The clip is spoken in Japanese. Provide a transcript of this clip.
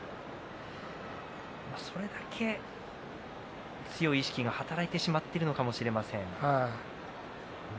それだけ強い意識が働いているのかもしれません。